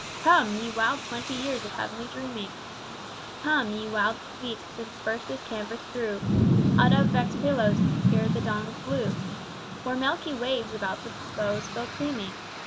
_ Come, ye wild twenty years of heavenly dreaming! Come, ye wild weeks since first this canvas drew Out of vexed Palos ere the dawn was blue, O'er milky waves about the bows full creaming!